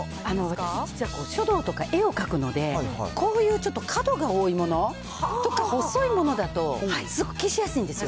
私ちょっと書道とか絵を描くので、こういうちょっと角が多いものとか、細いものだとすぐ消しやすいんですよ。